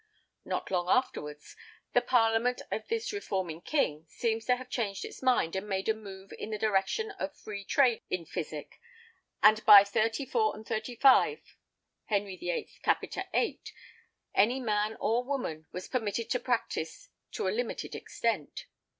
Not long afterwards the Parliament of this reforming king seems to have changed its mind and made a move in the direction of free trade in physic, and by 34 & 35 Henry VIII. cap. 8, any man or woman was permitted to practise to a limited extent.